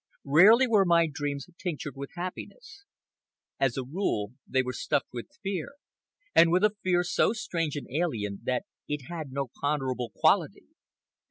Rarely were my dreams tinctured with happiness. As a rule, they were stuffed with fear—and with a fear so strange and alien that it had no ponderable quality.